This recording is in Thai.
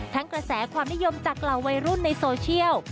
กระแสความนิยมจากเหล่าวัยรุ่นในโซเชียล